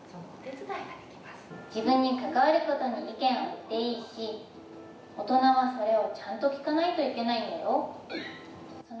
自分に関わることに意見を言っていいし、大人はそれをちゃんと聞かないといけないんだよ。